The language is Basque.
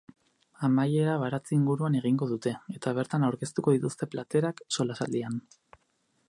Amaiera baratze inguruan egingo dute, eta bertan aurkeztuko dituzte platerak, solasaldian.